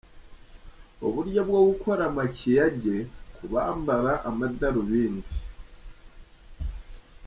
Uburyo bwo gukora makiyage ku bambara amadarubindi